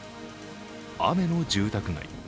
雨の住宅街。